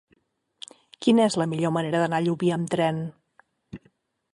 Quina és la millor manera d'anar a Llubí amb tren?